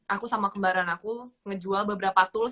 aku sama kembaran aku ngejual beberapa tools